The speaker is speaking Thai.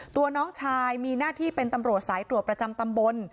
ตัวน้องชายมีหน้าที่เป็นตำรวจสายตรวจประจำตำบล